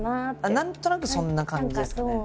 何となくそんな感じですね。